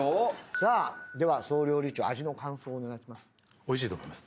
さあでは総料理長味の感想お願いします。